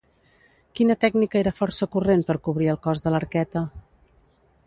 Quina tècnica era força corrent per cobrir el cos de l'arqueta?